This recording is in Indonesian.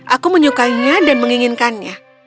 aku menyukainya dan menginginkannya